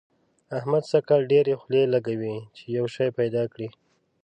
احمد سږ کال ډېرې خولې لګوي چي يو شی پيدا کړي.